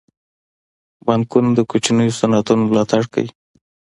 بانکونه د کوچنیو صنعتونو ملاتړ کوي.